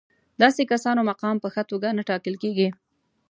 داسې کسانو مقام په ښه توګه نه ټاکل کېږي.